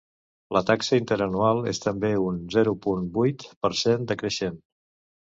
La taxa interanual és també un zero punt vuit per cent decreixent.